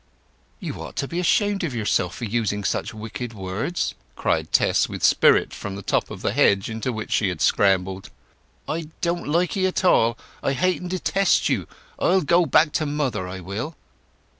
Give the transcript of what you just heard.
"You ought to be ashamed of yourself for using such wicked words!" cried Tess with spirit, from the top of the hedge into which she had scrambled. "I don't like 'ee at all! I hate and detest you! I'll go back to mother, I will!"